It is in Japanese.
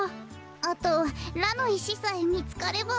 あとラのいしさえみつかれば。